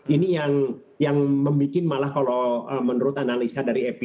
ini yang membuat malah kalau menurut analisa dari epide